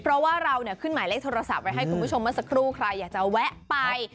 เราเนี่ยขึ้นหมายเลขโทรศัพท์ไว้ให้คุณผู้ชมมาสครู่ใครอยากจะแวะไป